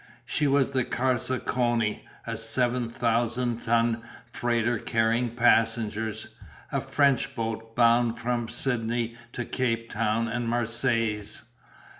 She was the Carcassonne, a seven thousand ton freighter carrying passengers, a French boat, bound from Sydney to Cape Town and Marseilles.